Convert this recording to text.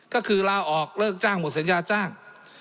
ก็คือลาออกเลิกจ้างหมดสัญญาจ้าง